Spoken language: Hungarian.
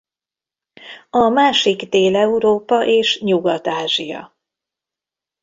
A másik Dél-Európa és Nyugat-Ázsia.